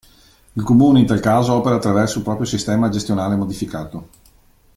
Il Comune in tal caso opera attraverso il proprio sistema gestionale modificato.